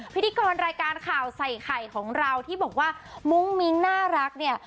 พิธีกรรายการข่าวใส่ไข่ของเราที่บอกว่ามุ้งมิ้งน่ารักเนี่ย